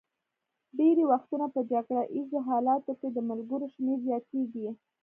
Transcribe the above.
ډېری وختونه په جګړه ایزو حالاتو کې د ملګرو شمېر زیاتېږي.